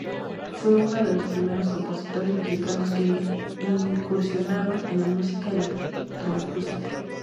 Fue uno de los primeros compositores mexicanos que incursionaron en la música electroacústica.